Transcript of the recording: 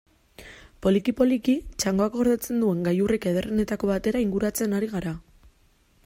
Poliki-poliki, txangoak gordetzen duen gailurrik ederrenetako batera inguratzen ari gara.